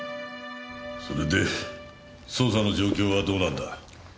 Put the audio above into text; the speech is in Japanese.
それで捜査の状況はどうなんだ？